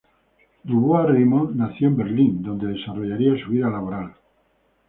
Du Bois-Reymond nació en Berlín, donde desarrollaría su vida laboral.